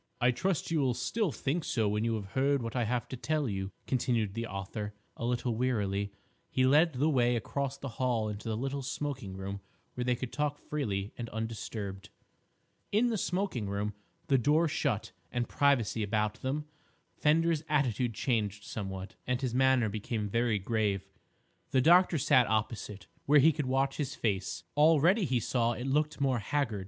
"I trust you will still think so when you have heard what I have to tell you," continued the author, a little wearily. He led the way across the hall into the little smoking room where they could talk freely and undisturbed. In the smoking room, the door shut and privacy about them, Fender's attitude changed somewhat, and his manner became very grave. The doctor sat opposite, where he could watch his face. Already, he saw, it looked more haggard.